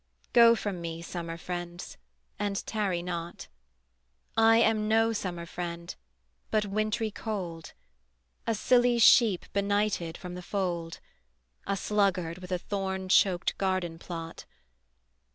Go from me, summer friends, and tarry not: I am no summer friend, but wintry cold, A silly sheep benighted from the fold, A sluggard with a thorn choked garden plot.